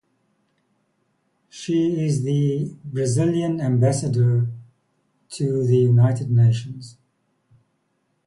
She is the Brazilian ambassador to the United Nations.